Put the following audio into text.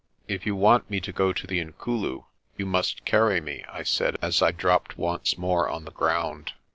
"If you want me to go to the Inkulu, you must carry me," I said, as I dropped once more on the ground.